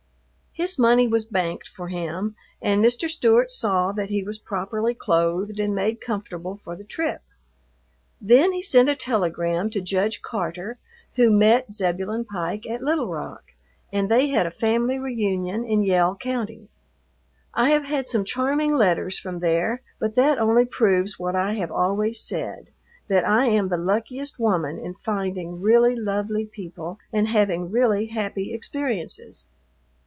His money was banked for him, and Mr. Stewart saw that he was properly clothed and made comfortable for the trip. Then he sent a telegram to Judge Carter, who met Zebulon Pike at Little Rock, and they had a family reunion in Yell County. I have had some charming letters from there, but that only proves what I have always said, that I am the luckiest woman in finding really lovely people and having really happy experiences.